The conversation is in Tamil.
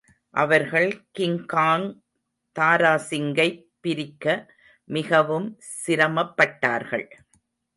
அவர்கள் கிங்காங் தாராசிங்கைப் பிரிக்க மிகவும் சிரமப்பட்டார்கள்.